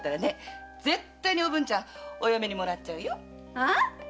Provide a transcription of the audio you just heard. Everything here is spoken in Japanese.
ああ？